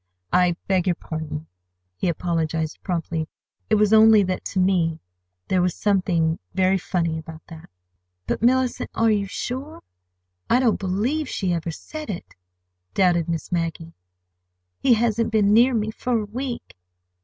"I beg your pardon," he apologized promptly. "It was only that to me—there was something very funny about that." "But, Mellicent, are you sure? I don't believe she ever said it," doubted Miss Maggie. "He hasn't been near me—for a week.